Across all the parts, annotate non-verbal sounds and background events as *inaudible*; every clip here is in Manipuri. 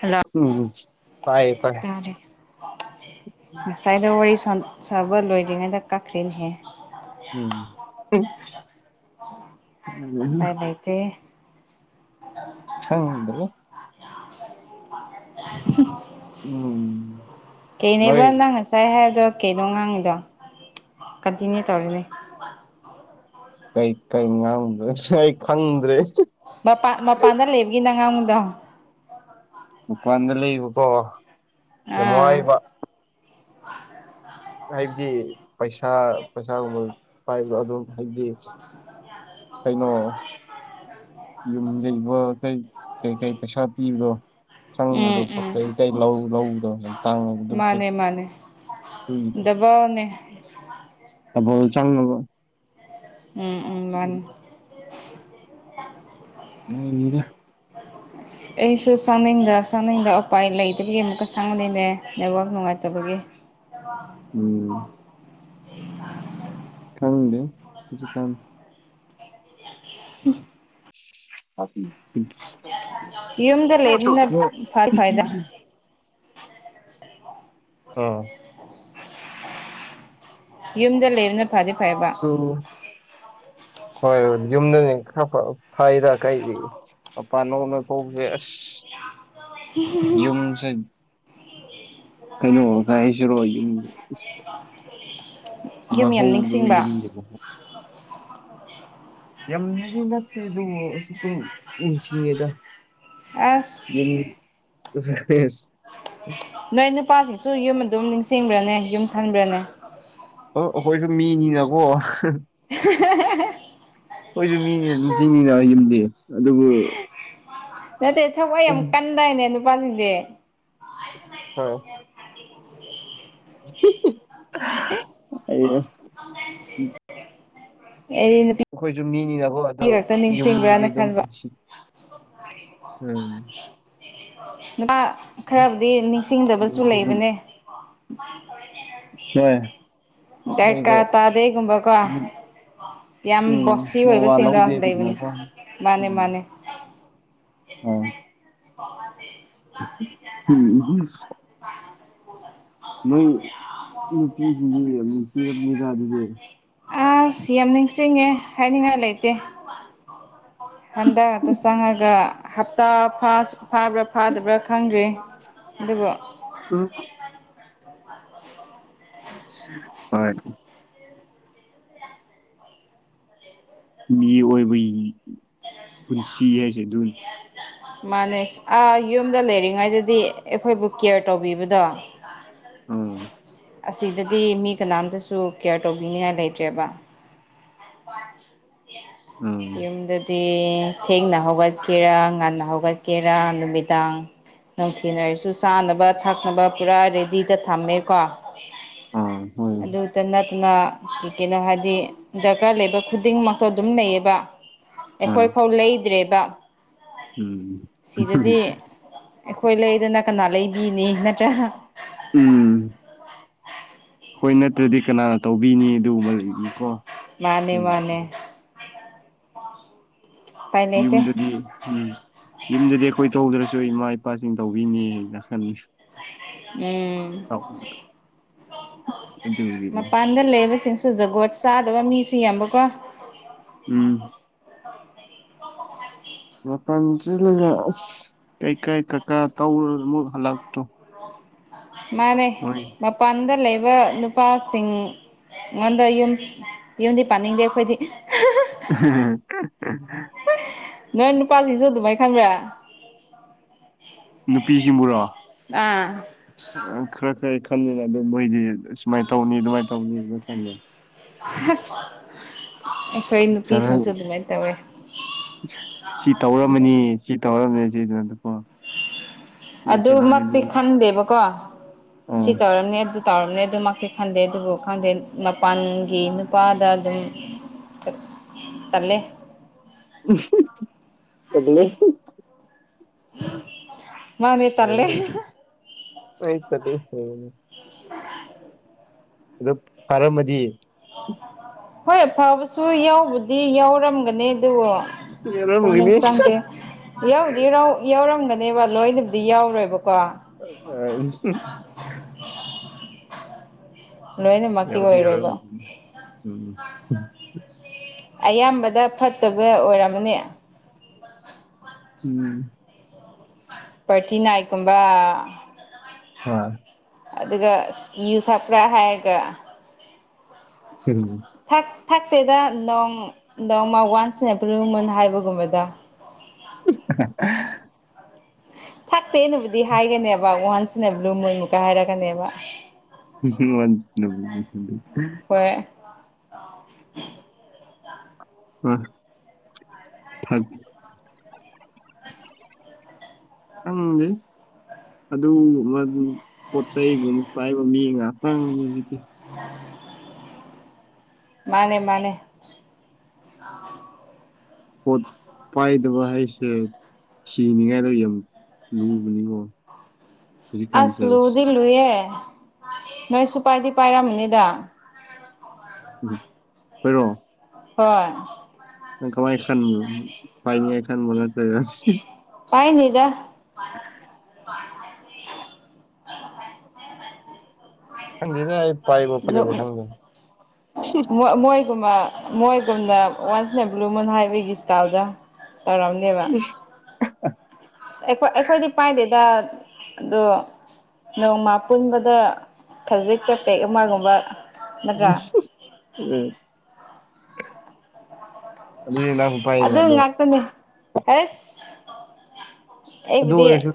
ꯍꯜꯂꯣ ꯎꯝ ꯇꯥꯏꯌꯦ ꯇꯥꯏ ꯇꯔꯦ ꯉꯁꯥꯏꯗ ꯋꯥꯔꯤ ꯁꯥꯕ ꯂꯣꯏꯗꯔꯤꯉꯩꯗ ꯀꯛꯈ꯭ꯔꯤꯅꯍꯦ ꯎꯝ ꯄꯥꯏ ꯂꯩꯇꯦ ꯆꯪꯗꯔꯤ ꯎ ꯎꯝ ꯀꯩꯅꯦꯕ ꯅꯣꯏ ꯅꯪ ꯉꯁꯥꯏ ꯍꯥꯏꯕꯗꯣ ꯀꯩꯅꯣ ꯉꯥꯡꯉꯤꯗꯣ ꯀꯟꯇꯤꯅ꯭ꯌꯨ ꯇꯧꯔꯤꯅꯦ ꯀꯩꯀꯩ ꯉꯥꯡꯗꯦ ꯑꯩ ꯈꯪꯗ꯭ꯔꯦ ꯃꯄꯥꯟ ꯃꯄꯥꯟꯗ ꯂꯩꯕꯒꯤ ꯅ ꯑꯉꯥꯡꯗꯣ ꯃꯄꯥꯟꯗ ꯂꯩꯕꯀꯣ ꯑꯥ ꯌꯥꯝꯏꯕ ꯍꯥꯏꯕꯗꯤ ꯄꯩꯁꯥ ꯄꯩꯁꯥꯒꯨꯝꯕ ꯄꯥꯏꯕꯗꯣ ꯑꯗꯨꯝ ꯍꯥꯏꯕꯗꯤ ꯀꯩꯅꯣ *unintelligible* ꯌꯨꯝ ꯂꯩꯕ ꯀꯩ ꯀꯩ ꯄꯩꯁꯥ ꯄꯤꯕꯣ ꯆꯪꯕꯗꯣ ꯎꯝ ꯄꯣꯠ ꯎꯝ ꯆꯩ ꯂꯧ ꯂꯧꯗꯣ ꯇꯥꯡꯉꯕ ꯃꯥꯅꯦ ꯃꯥꯅꯦ ꯗꯕ ꯑꯅꯤ *inaudible* ꯑꯕꯨ ꯆꯪꯅꯕꯣ ꯎꯝ ꯎꯝ ꯃꯥꯅꯤ ꯃꯥꯏꯃꯤꯗ *unintelligible* ꯑꯩꯁꯨ ꯆꯥꯛꯅꯤꯡꯗ ꯆꯥꯛꯅꯤꯡꯗ ꯎꯄꯥꯏ ꯂꯩꯇꯕꯒꯤ ꯑꯃꯨꯛꯀ ꯆꯪꯍꯟꯅꯤꯡꯉꯅꯦ ꯅꯦꯕꯥꯛ ꯅꯨꯡꯉꯥꯏꯇꯕꯒꯤ ꯎꯝ ꯈꯪꯗꯦꯗ ꯍꯧꯖꯤꯛꯀꯥꯟ ꯎꯝ ꯑ ꯌꯨꯝꯗ ꯂꯩꯕꯅ *unintelligible* ꯐꯗꯤ ꯐꯩꯗ UNINTELLIGIBLE ꯑꯥ ꯌꯨꯝꯗ ꯂꯩꯕꯅ ꯐꯗꯤ ꯐꯩꯌꯦꯕ ꯍꯣꯏꯣꯏ ꯌꯨꯝꯗꯅꯦ ꯈꯔ ꯐꯩꯔ ꯀꯩꯗꯤ ꯑꯄꯥ ꯅꯧꯅ ꯊꯣꯛꯁꯦ ꯑꯁ ꯌꯨꯝꯁꯦ ꯀꯩꯅꯣ ꯀꯥꯏ ꯍꯥꯏꯁꯤꯔꯣ ꯌꯨꯝ ꯌꯨꯝ ꯌꯥꯝ ꯃꯍꯧꯗꯨ ꯅꯤꯡꯁꯤꯡꯕ ꯌꯨꯝꯒꯤ ꯃꯍꯧ ꯌꯥꯝꯅꯗꯤ ꯅꯠꯇꯦ ꯑꯗꯨꯕꯨ ꯑꯗꯨꯝ ꯎꯁꯤꯉꯦꯗ ꯑꯁ ꯌ ꯅꯣꯏ ꯅꯨꯄꯥꯁꯤꯡꯁꯨ ꯌꯨꯝ ꯑꯗꯨꯝ ꯅꯤꯡꯁꯤꯡꯕ꯭ꯔꯅꯦ ꯌꯨꯝ ꯊꯟꯕ꯭ꯔꯅꯦ UNINTELLIGIBLE ꯑ ꯑꯩꯈꯣꯏꯁꯨ ꯃꯤꯅꯤꯅꯀꯣ ꯍꯣꯏꯁꯨ ꯃꯤꯅꯤꯅ ꯅꯤꯡꯁꯤꯡꯅꯤꯅ ꯌꯨꯝꯗꯦ ꯑꯗꯨꯕꯨ ꯅꯠꯇꯦ ꯊꯕꯋꯥꯏ ꯏꯟ ꯌꯥꯝ ꯀꯟꯗꯥ ꯅꯦ ꯅꯨꯄꯥꯁꯤꯡꯗꯤ ꯍꯣꯏ UNINTELLIGIBLE UNINTELLIGIBLE UNINTELLIGIBLE ꯑꯦ ꯑꯩꯈꯣꯏꯁꯨ ꯃꯤꯅꯤꯅꯕꯨ ꯑꯗꯣ ꯌꯨꯝꯕꯨꯗꯤ ꯈꯟꯕ ꯑꯗꯨꯝꯅꯨꯡ ꯁꯤ ꯎꯝ ꯅꯨꯄꯥ ꯈꯔꯕꯨꯗꯤ ꯅꯤꯡꯁꯤꯡꯗꯕꯁꯨ ꯌꯨꯝꯗꯤ ꯑꯗꯨꯝ ꯂꯩꯕꯅꯦ ꯍꯣꯏ ꯗ ꯀꯥ ꯅꯣꯏꯗꯣ ꯇꯥꯗꯦꯒꯨꯝꯕ ꯀꯣ ꯌꯨꯝ ꯌꯥꯝ ꯎꯝ ꯕꯣꯁꯤ ꯃꯋꯥ ꯑꯣꯏꯕꯁꯤꯡꯗ ꯂꯧꯗꯦ ꯂꯩꯕꯅꯤ ꯑꯗꯨꯒꯨꯝꯕꯀꯣ ꯃꯥꯅꯦ ꯃꯥꯅꯦ ꯑ ꯍꯃꯁꯦ ꯎꯝ ꯑ ꯅꯣꯏ ꯅꯨꯄꯤꯁꯤꯗꯤ ꯌꯥꯝꯅꯨꯡꯁꯤꯔꯕꯅꯤꯗ ꯑꯗꯨꯗꯤ ꯑꯁ ꯌꯥꯝ ꯅꯤꯡꯁꯤꯡꯉꯦ ꯍꯥꯏꯅꯤꯡꯉꯥꯏ ꯂꯩꯇꯦ ꯍꯟꯗꯛꯛꯇ ꯆꯪꯉꯒ ꯍꯞꯇꯥ ꯐꯥꯁ ꯐꯥꯕ꯭ꯔꯥ ꯐꯥꯗꯕ꯭ꯔꯥ ꯈꯪꯗ꯭ꯔꯤ ꯑꯗꯨꯒꯗꯒꯤ ꯎꯝ ꯍꯣꯏ ꯃꯤ ꯑꯣꯏꯕꯒꯤ ꯄꯨꯟꯁꯤ ꯍꯥꯏꯁꯦ ꯑꯗꯨ ꯃꯥꯅꯦꯁ ꯑꯥ ꯌꯨꯝꯗ ꯂꯩꯔꯤꯉꯩꯗꯗꯤ ꯑꯩꯈꯣꯏꯕꯨ ꯀꯦꯌꯔ ꯇꯧꯕꯤꯕꯗꯣ ꯑꯥ *unintelligible* ꯑꯁꯤꯗꯗꯤ ꯃꯤ ꯀꯅꯥꯝꯇꯁꯨ ꯀꯦꯌꯔ ꯇꯧꯕꯤꯅꯤꯉꯥꯏ ꯂꯩꯇ꯭ꯔꯦꯕ ꯑꯥ ꯌꯨꯝꯗꯗꯤ ꯊꯦꯡꯅ ꯍꯧꯒꯠꯈꯤꯦꯔ ꯉꯟꯅ ꯍꯧ ꯀꯦꯔꯥ ꯅꯨꯃꯤꯗꯥꯡ ꯅꯨꯡꯊꯤꯅꯔꯁꯨ ꯆꯥꯅꯕ ꯊꯛꯅꯕ ꯄꯨꯔꯥ ꯔꯦꯗꯤꯗ ꯊꯝꯃꯦꯀꯣ ꯎꯝ ꯍꯣꯏ ꯗ ꯅꯠꯇꯅ ꯀꯩꯅꯣ ꯍꯥꯏꯗꯤ ꯗꯔꯀꯥꯔ ꯂꯩꯕ ꯈꯨꯗꯤꯡꯃꯛꯇꯣ ꯑꯗꯨꯝ ꯂꯩꯌꯦꯕ ꯑꯩꯈꯣꯏ ꯍꯣꯏ ꯐꯥꯎ ꯂꯩꯗ꯭ꯔꯦꯕ ꯎꯝ ꯁꯤꯗꯗꯤ ꯑꯩꯈꯣꯏ ꯂꯩꯗꯅ ꯀꯅꯥ ꯂꯩꯕꯤꯅꯤ ꯅꯠꯇ꯭ꯔꯒ ꯎꯝ ꯍꯣꯏ ꯅꯠꯇ꯭ꯔꯗꯤ ꯀꯅꯥꯅ ꯇꯧꯕꯤꯅꯤ ꯑꯗꯨꯒꯨꯝꯕ ꯂꯩꯅꯤꯀꯣ ꯃꯥꯅꯦ ꯃꯥꯅꯦ ꯎꯄꯥꯏ ꯂꯩꯇꯦ ꯌꯨꯝꯗꯗꯤ ꯎꯝ ꯌꯨꯝꯗꯗꯤ ꯑꯩꯈꯣꯏ ꯇꯧꯗ꯭ꯔꯁꯨ ꯏꯃꯥ ꯏꯄꯥꯁꯤꯡ ꯇꯧꯕꯤꯅꯤꯅ ꯈꯟꯁꯨ ꯎꯝ ꯑꯗꯨꯒꯤꯅꯤ ꯃꯄ ꯃꯥꯡꯗ ꯂꯩꯕꯁꯤꯡꯁꯨ ꯖꯒꯣꯠ ꯆꯥꯗꯕ ꯃꯤꯁꯨ ꯌꯥꯝꯕꯀꯣ ꯎꯝ ꯃꯄꯥꯟ UNINTELLIGIBLE ꯀꯩ ꯀꯩ ꯀꯀꯥ ꯀꯧꯔ ꯑꯃꯨꯛ ꯍꯜꯂꯛꯄꯣ ꯃꯥꯅꯦ ꯃꯄꯥꯟꯗ ꯂꯩꯕ ꯅꯨꯄꯥꯁꯤꯡ ꯑꯩꯉꯣꯟꯗ ꯌꯨꯝ ꯌꯨꯝꯗꯤ ꯄꯥꯅꯤꯡꯗꯦ ꯑꯩꯈꯣꯏꯗꯤ UNINTELLIGIBLE ꯅꯣꯏ ꯅꯨꯄꯥꯁꯤꯡꯁꯨ ꯑꯗꯨꯃꯥꯏ ꯈꯪꯕ꯭ꯔꯥ ꯅꯨꯄꯤꯁꯤꯡꯕꯨꯔꯣ ꯑ ꯑꯥ ꯈꯔ ꯈꯔ ꯈꯜꯂꯦꯅ ꯑꯗꯨꯝ ꯃꯣꯏꯗꯤ ꯑꯗꯨ ꯁꯨꯃꯥꯏꯅ ꯇꯧꯅꯤ ꯑꯗꯨꯃꯥꯏꯅ ꯇꯧꯅꯤ ꯃꯇꯝꯗꯣ ꯍꯁ ꯑꯩꯀꯣꯏ ꯅꯨꯄꯤꯁꯤꯡꯁꯨ ꯑꯗꯨꯃꯥꯏ ꯇꯧꯋꯦ ꯁꯤ ꯇꯧꯔꯝꯃꯅꯤ ꯁꯤ ꯇꯧꯔꯝꯅꯤ ꯁꯤꯗꯅ ꯑꯗꯨꯀꯣ ꯑꯗꯨꯃꯛꯇꯤ ꯈꯟꯗꯦꯕꯀꯣ ꯁꯤ ꯑꯥ ꯇꯧꯔꯅꯤ ꯑꯗꯨ ꯇꯧꯔꯅꯤ ꯑꯗꯨꯃꯛꯇꯤ ꯈꯟꯗꯦ ꯑꯗꯨꯕꯨ ꯈꯪꯗꯦ ꯃꯄꯥꯟꯒꯤ ꯅꯨꯄꯥꯗ ꯑꯗꯨꯝ ꯇꯂꯦ *unintelligible* *unintelligible* ꯇꯜꯂꯦ *unintelligible* *unintelligible* ꯑꯗꯣ ꯐꯥꯔꯝꯃꯗꯤ ꯍꯣꯏ ꯑꯐꯕꯁꯨ ꯌꯥꯎꯕꯨꯗꯤ ꯌꯥꯎꯔꯝꯒꯅꯤ ꯑꯗꯨ ꯄꯨꯛꯅꯤꯡ ꯌꯧꯔꯝꯒꯅꯤ ꯆꯪꯗꯦ ꯌꯥꯎꯕꯨꯗꯤ ꯌꯥꯎ ꯌꯥꯎꯔꯝꯒꯅꯦꯕ ꯂꯣꯏꯅꯕꯨꯗꯤ ꯌꯥꯎꯔꯣꯏꯕꯀꯣ *unintelligible* ꯂꯣꯏꯅꯃꯛꯇꯤ ꯌꯧꯗꯤ ꯑꯣꯏꯔꯣꯏꯕ ꯌꯧꯔꯝꯒꯅꯤ ꯎꯝ ꯑꯌꯥꯝꯕꯗ ꯐꯠꯇꯕ ꯑꯣꯏꯔꯝꯃꯅꯤ ꯎꯝ ꯄꯥꯔꯇꯤ ꯅꯥꯏꯛꯀꯨꯝꯕ ꯍꯣꯏ ꯑꯗꯨꯒ ꯏꯁ ꯌꯨ ꯊꯛꯄ꯭ꯥꯔ ꯍꯥꯏꯔꯒ ꯎꯝ ꯊꯛ ꯊꯛꯇꯦꯗ ꯅꯣꯡ ꯅꯣꯡꯃ ꯋꯥꯟꯁ ꯏꯟ ꯑ ꯕ꯭ꯂꯨ ꯃꯨꯟ ꯍꯥꯏꯕꯒꯨꯝꯕꯗꯣ *unintelligible* ꯊꯛꯇꯦꯅꯕꯨꯗꯤ ꯍꯥꯏꯒꯅꯦꯕ ꯋꯥꯟꯁ ꯏꯟꯅ ꯕ꯭ꯂꯨ ꯃꯨꯟ ꯃꯨꯛꯀ ꯍꯥꯏꯔꯛꯀꯅꯦꯕ *unintelligible* ꯋꯥꯟꯁ ꯏꯟꯑ ꯕ꯭ꯂꯨ ꯃꯨꯟ *unintelligible* ꯍꯣꯏ ꯍꯣꯏ ꯊꯛ *unintelligible* ꯈꯪꯗꯦ ꯑꯗꯨ ꯋꯥꯗꯨ ꯄꯣꯠ ꯆꯩꯩꯒꯨꯝꯕ ꯄꯥꯏꯕ ꯃꯤ ꯉꯥꯛꯇꯪꯗꯨꯗꯗꯤ ꯃꯥꯅꯦ ꯃꯥꯅꯦ ꯄꯣꯠ ꯄꯥꯏꯗꯕ ꯍꯥꯏꯁꯦ ꯁꯤꯅꯤꯉꯥꯏꯗꯣ ꯌꯦꯡꯉꯣ ꯂꯨꯕꯅꯤꯀꯣ ꯑꯁ ꯍꯧꯖꯤꯛꯀꯥꯟꯁꯦ ꯂꯨꯗꯤ ꯂꯨꯏꯌꯦ ꯅꯣꯏ ꯁꯨ ꯄꯥꯏꯗꯤ ꯄꯥꯏꯔꯝꯅꯤꯗ ꯎꯝ ꯈꯣꯏꯔꯣ ꯍꯣꯏ ꯅꯪ ꯊꯋꯥꯏ ꯈ ꯅꯨꯡ__ ꯄꯥꯏꯅꯤꯗ *unintelligible* ꯈꯪꯗꯦꯗ ꯑꯩ ꯄꯥꯏꯕ ꯄꯥꯏꯗꯕ ꯈꯪꯗꯦ *unintelligible* ꯃ ꯃꯣꯏꯒꯨꯝꯅ ꯋꯥꯟꯁ ꯏꯟꯅ ꯕ꯭ꯂꯨ ꯃꯨꯟ ꯍꯥꯏꯕꯒꯤ ꯏꯁ꯭ꯇꯥꯏꯜꯗꯣ ꯇꯧꯔꯝꯅꯦꯕ ꯑꯁ ꯑꯩꯈꯣꯏ ꯑꯩꯈꯣꯏꯗꯤ ꯄꯥꯏꯗꯦꯗ ꯑꯗꯣ ꯅꯣꯡꯃ ꯄꯨꯟꯕꯗ ꯈꯖꯤꯛꯇ ꯄꯦꯛ ꯑꯃꯒꯨꯝꯕ ꯅꯠꯇ꯭ꯔꯥ *unintelligible* ꯑꯗꯨꯏ *unintelligible* ꯑꯗꯨ ꯉꯥꯛꯇꯅꯦ ꯍꯦꯁ ꯑꯗꯨ ꯑꯩꯕꯨꯗꯤ ꯑꯣꯏꯔꯁꯨ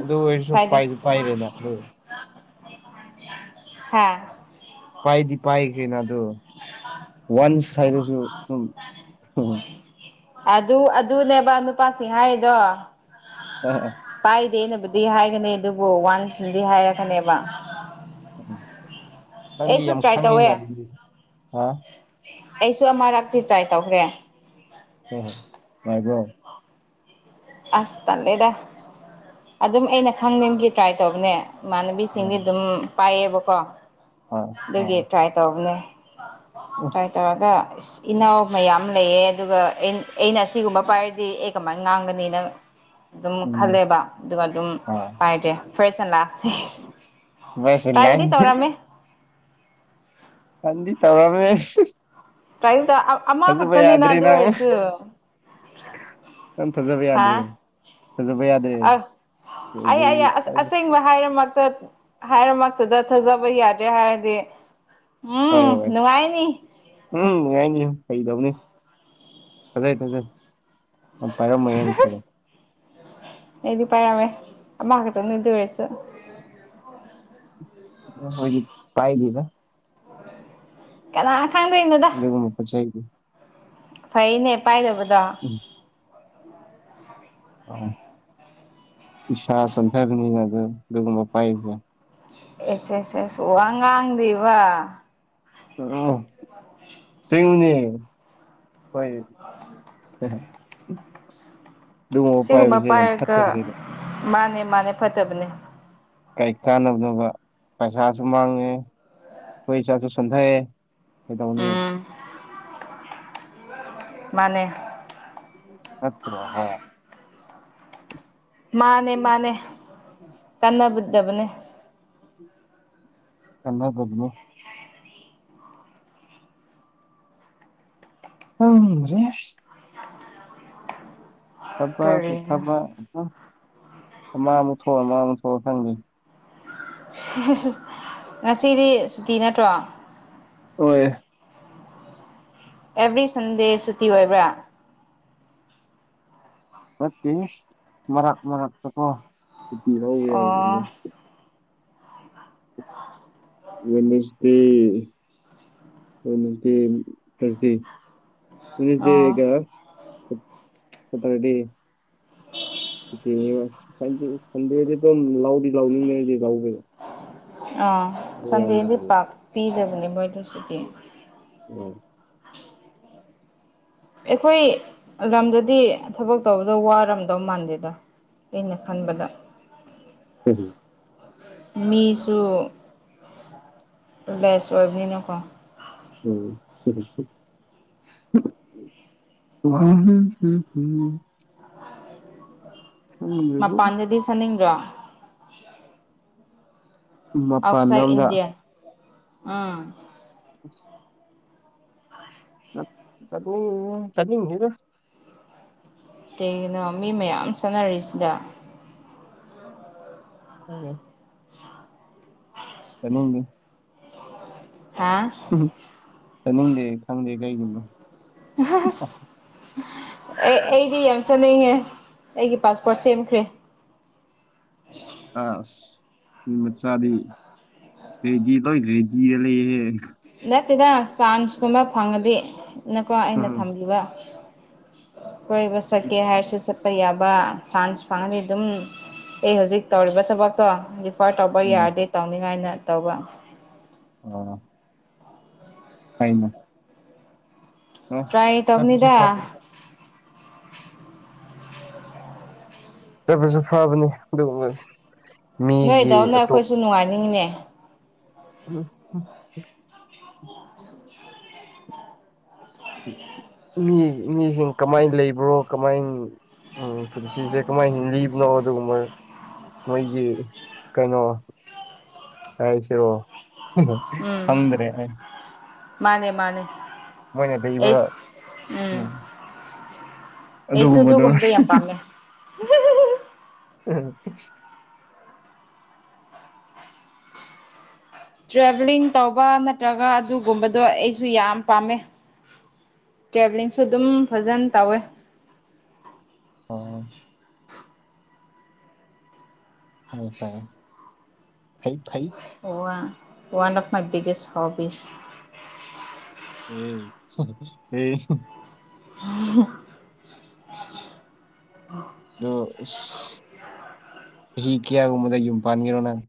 ꯑꯗꯨ ꯑꯣꯏꯔꯁꯨ ꯄꯥꯏꯗꯦ ꯄꯥꯏꯗꯤ ꯄꯥꯏꯔꯦꯅ ꯑꯗꯨ *unintelligible* ꯍꯥ ꯄꯥꯏꯗꯤ ꯄꯥꯏꯈ꯭ꯔꯦꯅ ꯑꯗꯣ ꯋꯥꯟꯁ ꯍꯥꯏꯕꯁꯨ ꯑꯗꯨꯝ *unintelligible* ꯑꯗꯨ ꯑꯗꯨꯅꯦꯕ ꯅꯨꯄꯥꯁꯤꯡ ꯍꯥꯏꯔꯤꯗꯣ ꯑꯣ ꯑꯣ ꯄꯥꯏꯗꯦꯅꯕꯨꯗꯤ ꯍꯥꯏꯒꯅꯤ ꯑꯗꯨꯕꯨ ꯋꯥꯟꯁ ꯅꯗꯤ ꯍꯥꯏꯔꯛꯀꯅꯦꯕ ꯎꯝ ꯅꯪꯗꯤ ꯑꯩꯁꯨ ꯌꯥꯝ ꯇ꯭ꯔꯥꯏ ꯇꯧꯋꯦ ꯈꯪꯉꯦꯅ ꯑꯗꯨꯗꯤ ꯍꯥ ꯑꯩꯁꯨ ꯑꯃꯔꯛꯇꯤ ꯇ꯭ꯔꯥꯏ ꯇꯧꯈ꯭ꯔꯦ ꯍꯣꯏ ꯍꯣꯏ ꯅꯨꯡꯉꯥꯏꯕ꯭ꯔꯣ ꯑꯁ ꯇꯜꯂꯦꯗ ꯑꯗꯨꯝ ꯑꯩꯅ ꯈꯪꯅꯤꯡꯕꯒꯤ ꯇ꯭ꯔꯥꯏ ꯇꯧꯕꯅꯦ ꯏꯃꯥꯟꯅꯕꯤꯁꯤꯡꯗꯤ ꯑꯗꯨꯝ ꯄꯥꯏꯌꯦꯕꯀꯣ ꯍꯥ ꯑꯗꯨꯒꯤ ꯇ꯭ꯔꯥꯏ ꯇꯧꯕꯅꯦ ꯑꯁ ꯇ꯭ꯔꯥꯏ ꯇꯧꯔꯒ ꯏꯁ ꯏꯅꯥꯎ ꯃꯌꯥꯝ ꯂꯩꯌꯦ ꯑꯗꯨꯒ ꯑꯩꯅ ꯑꯩꯅꯥ ꯑꯁꯤꯒꯨꯝꯕ ꯄꯥꯏꯔꯗꯤ ꯑꯩ ꯀꯃꯥꯏꯟ ꯉꯥꯡꯒꯅꯤ ꯑꯩꯅ ꯑꯗꯨꯝ ꯎꯝ ꯈꯜꯂꯦꯕ ꯑꯗꯨꯒ ꯑꯗꯨꯝ ꯑꯥ ꯄꯥꯏꯔꯦ ꯐ꯭ꯔꯦꯁ ꯑꯦꯟ ꯂꯥꯁꯁꯦ ꯇ꯭ꯔꯥꯏꯕꯨꯗꯤ ꯇꯧꯔꯝꯃꯦ *unintelligible* ꯐꯟꯗꯤ ꯇꯔꯃꯦ *unintelligible* ꯇꯀꯩꯝꯇꯥ ꯑꯃ ꯈꯛꯇꯅꯤꯅ ꯑꯗꯨ ꯅꯪ ꯑꯣꯏꯔꯁꯨ ꯅꯪ ꯊꯥꯖꯕ ꯍꯥ ꯌꯥꯗꯔꯦ ꯊꯥꯖꯕ ꯌꯥꯗꯔꯦ ꯑ ꯑꯩ ꯑꯗꯨꯗꯩ ꯑꯩ ꯑꯁꯦꯡꯕ ꯍꯥꯏꯔꯃꯛꯇ ꯍꯥꯏꯔꯃꯛꯇꯗ ꯊꯥꯖꯕ ꯌꯥꯗ꯭ꯔꯦ ꯍꯥꯏꯔꯗꯤ ꯍꯣꯏ ꯎꯝ ꯍꯣꯏ ꯅꯨꯡꯉꯥꯏꯅꯤ ꯎꯝ ꯅꯨꯡꯉꯥꯏꯅꯤ ꯐꯒꯤ ꯇꯧꯕꯅꯦ ꯐꯖꯩ ꯐꯖꯩ ꯄꯥꯢꯔꯝꯃꯣꯢꯍꯧ ꯑꯩꯗꯤ ꯄꯥꯏꯔꯝꯃꯦ ꯑꯃ ꯈꯛꯇꯅꯦ ꯑꯗꯨ ꯑꯣꯏꯔꯁꯨ ꯎ ꯍꯣꯏꯗꯤ ꯄꯥꯏꯗꯦꯗ ꯀꯅꯥ ꯈꯥꯡꯗꯣꯏꯅꯣꯗ ꯎꯁ ꯐꯩꯅꯦ ꯄꯥꯏꯔꯕꯗꯣ ꯎꯝ ꯑ ꯏꯁꯥ ꯁꯟꯊꯔ ꯑꯗꯨꯒꯕꯄꯥꯏꯁ ꯑꯦꯁꯁꯁ ꯋꯥ ꯉꯥꯡꯗ꯭ꯕ ꯑ ꯁꯉꯅꯤ ꯐ ꯑꯗꯨꯒꯨꯝꯕ ꯁꯤꯒꯨꯝꯕ ꯄꯥꯏꯕꯁꯦ ꯌꯥꯝ ꯄꯥꯏꯔꯒ ꯐꯠꯇꯕꯅꯦꯕ ꯃꯥꯅꯦ ꯃꯥꯅꯦ ꯐꯠꯇꯕꯅꯦ ꯔꯤꯛ ꯆꯥꯅꯕꯅꯕ ꯄꯩꯁꯥꯁꯨ ꯃꯥꯡꯉꯦ ꯑꯩꯈꯣꯏ ꯏꯆꯥꯁꯨ ꯁꯣꯟꯊꯩꯑꯦ ꯀꯩꯗꯧꯅꯤ ꯎꯝ ꯃꯥꯅꯦ ꯑꯠꯇ꯭ꯔꯣ ꯍ ꯃꯥꯅꯦ ꯃꯥꯅꯦ ꯀꯥꯟꯅꯗꯕꯅꯦ ꯀꯅꯥꯗꯕꯅꯦ ꯎꯝ ꯊꯕꯛꯄꯨ ꯀꯔꯤꯅꯣ ꯊꯕꯛ ꯑꯃ ꯑꯃꯨꯛ ꯊꯣꯛꯑ ꯑꯃ ꯑꯃꯨꯛ ꯊꯣꯛꯑ UNINTELLIGIBLE ꯉꯁꯤꯗꯤ ꯁꯨꯇꯤ ꯅꯠꯇ꯭ꯔꯣ ꯍꯣꯏ ꯑꯦꯕ꯭ꯔꯤ ꯁꯟꯗꯦ ꯁꯨꯇꯤ ꯑꯣꯏꯕ꯭ꯔꯥ ꯅꯠꯇꯦ ꯃꯔꯛ ꯃꯔꯛꯇꯀꯣ ꯁꯨꯇꯤ ꯂꯧꯎꯋꯦ ꯑꯣ ꯋꯥꯏꯅꯔꯗꯦ ꯊꯔꯁꯗꯦ ꯑꯣ ꯋꯥꯏꯅꯔꯗꯦꯒ ꯁꯇꯔꯗꯦ ꯁꯨꯇꯤꯅꯩꯕ ꯁꯟꯗꯦꯗꯤ ꯑꯗꯨꯝ ꯂꯥꯎꯗꯤ ꯂꯥꯎꯅꯤꯡꯉꯗꯤ ꯂꯥꯎꯗ ꯑ ꯁꯟꯗꯦꯗꯤ ꯄꯥꯛ ꯄꯤꯗꯕꯅꯦ ꯃꫭꯏ ꯑꯗꫭ ꯁꯨꯇꯤ ꯎꯝ ꯑꯩꯈꯣꯏ ꯂꯝꯗꯗꯤ ꯊꯕꯛ ꯇꯧꯕꯗꯣ ꯋꯥꯔꯝꯗꯧ ꯃꯥꯟꯗꯦꯗ ꯑꯩꯅ ꯈꯟꯕꯗ ꯎꯝ ꯃꯤꯁꯨ ꯂꯦꯁ ꯑꯣꯏꯕꯅꯤꯅꯀꯣ ꯎꯝ ꯍꯝꯝ ꯃꯄꯥꯟꯗꯗꯤ ꯆꯠꯅꯤꯡꯗꯔꫭ ꯑꯥꯎꯠꯁꯥꯏꯠ ꯃꯄꯥꯟꯂꯣꯝꯗ ꯏꯟꯗꯤꯌꯥ ꯎꯝ ꯑ ꯑꯁ ꯆꯠꯅꯤ ꯆꯠꯅꯤꯗ ꯀꯩꯒꯤꯅꯣ ꯃꯤ ꯃꯌꯥꯝ ꯆꯠꯅꯔꯤꯁꯤꯗ *unintelligible* *inaudible* ꯀꯩꯅꯣꯝꯅꯤ ꯍꯥꯥ ꯎ ꯆꯠꯅꯤꯡꯗꯦ ꯈꯪꯗꯦ ꯀꯩꯒꯤꯅꯣ ꯑꯁ ꯑꯦ ꯑꯩꯗꯤ ꯌꯥꯝ ꯆꯠꯅꯤꯡꯉꯦ ꯑꯩꯒꯤ ꯄꯥꯁꯄꯣꯔꯠ ꯁꯦꯝꯈ꯭ꯔꯦ ꯑꯁ ꯃꯤ ꯃꯆꯥꯗꯤ ꯔꯦꯗꯤꯗ ꯂꯣꯏ ꯔꯦꯗꯤꯗ ꯂꯩꯌꯦꯍꯦ ꯅꯠꯇꯦꯗ ꯆꯥꯟꯁꯀꯨꯝꯕ ꯐꯪꯉꯗꯤ ꯅꯀꯣ ꯑꯩꯅ ꯎꯝ ꯊꯝꯕꯤꯕ ꯀꯣꯏꯕ ꯆꯠꯀꯦ ꯍꯥꯏꯔꯁꯨ ꯆꯠ ꯆꯠꯄ ꯌꯥꯕ ꯆꯥꯟꯁ ꯐꯪꯉꯅꯤ ꯑꯗꯨꯝ ꯑꯩ ꯍꯧꯖꯤꯛ ꯇꯧꯔꯤꯕ ꯊꯕꯛꯇꯣ ꯑꯣꯐꯔ ꯇꯧꯕ ꯌꯥꯔꯗꯦ ꯇꯧꯅꯤꯉꯥꯏꯅ ꯇꯧꯕ ꯑꯣ *unintelligible* ꯄ꯭ꯔꯥꯏ ꯆꯠꯄꯁꯨ ꯇꯧꯕꯅꯤꯗ ꯐꯕ ꯆꯠꯄꯁꯨ ꯐꯕꯅꯤ ꯑꯗꯨꯒꯨꯝꯕ ꯅꯣꯏ ꯏꯗꯎꯅ ꯑꯩꯈꯣꯏꯁꯨ ꯅꯨꯡꯉꯥꯏꯅꯤꯡꯉꯤꯅꯦ ꯎꯝ ꯃꯤ ꯃꯤꯁꯤꯡ ꯀꯃꯥꯏꯅ ꯂꯩꯕ꯭ꯔꯣ ꯀꯃꯥꯏ ꯎꯝ ꯄꯨꯟꯁꯤꯁꯦ ꯀꯃꯥꯏꯅ ꯍꯤꯡꯂꯤꯕꯅꯣ ꯑꯗꯨꯒꯨꯝꯕ ꯃꯣꯏꯒꯤ ꯀꯩꯅꯣ ꯍꯥꯏꯁꯤꯔꯣ ꯎꯝ ꯈꯪꯗ꯭ꯔꯦ ꯑꯩ ꯃꯥꯅꯦ ꯃꯥꯅꯦ ꯃꯣꯏꯅ ꯂꯩꯕ ꯑꯦꯁ ꯎꯝ ꯑꯩꯁꯨ ꯑꯗꯨꯒꯨꯝꯕꯗꯣ ꯌꯥꯝ ꯄꯥꯝꯃꯦ ꯇ꯭ꯔꯦꯕꯦꯂꯤꯡ ꯇꯧꯕ ꯅꯠꯇ꯭ꯔꯒ ꯑꯗꯨꯒꯨꯝꯕꯗꯣ ꯑꯩꯁꯨ ꯌꯥꯝ ꯄꯥꯝꯃꯦ ꯇ꯭ꯔꯦꯕꯂꯤꯡꯁꯨ ꯑꯗꯨꯝ ꯐꯖꯅ ꯇꯧꯋꯦ ꯑꯣ ꯑꯣ ꯇꯥꯢ ꯐꯩ ꯐꯩ ꯋꯥ one of my biggest hobbies um ꯎꯝ *unintelligible* ꯑꯗꯣ ꯑꯁ ꯆꯍꯤ ꯀꯌꯥꯒꯨꯝꯕꯗ ꯌꯨꯝ ꯄꯥꯟꯒꯦꯔꯣ ꯅꯪ